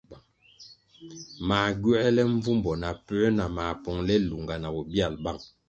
Mā gywēle mbvumbo na puē nah mā pongʼle lunga na bobyal bang.